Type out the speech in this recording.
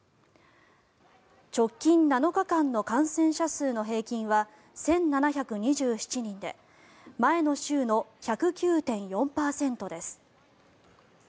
直近７日間の感染者数の平均は１７２７人で前の週の１０９．４％です。